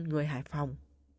người hải phòng